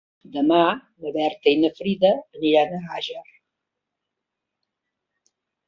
Demà na Berta i na Frida aniran a Àger.